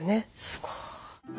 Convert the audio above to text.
すごい。